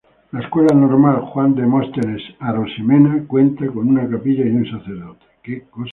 La Escuela Normal Juan Demóstenes Arosemena cuenta con una capilla y un sacerdote.